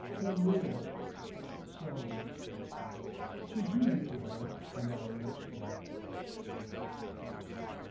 come near! So." She drew me to her and our lips met.